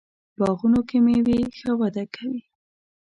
باغونو کې میوې ښه وده کوي.